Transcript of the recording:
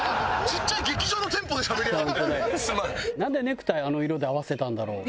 なんでネクタイあの色で合わせたんだろう？